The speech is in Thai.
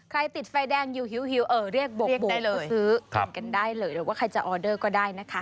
ใครติดไฟแดงหิวเรียกบกก็ซื้อกันได้เลยหรือว่าใครจะออเดอร์ก็ได้นะคะ